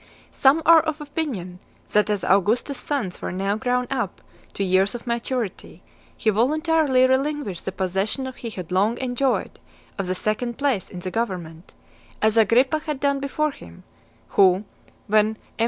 Some are of opinion, that as Augustus's sons were now grown up to years of maturity, he voluntarily relinquished the possession he had long enjoyed of the second place in the government, as Agrippa had done before him; who, when M.